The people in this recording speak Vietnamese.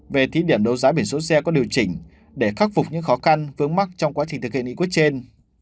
về thí điểm đấu giá biển số xe có điều chỉnh để khắc phục những khó khăn vướng mắt trong quá trình thực hiện nghị quyết trên